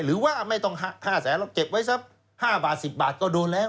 หรือว่าไม่ต้อง๕แสนแล้วเก็บไว้สัก๕บาท๑๐บาทก็โดนแล้ว